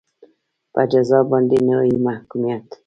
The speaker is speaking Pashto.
په جزا باندې نهایي محکومیت.